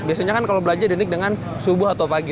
bisa jadi unik dengan subuh atau pagi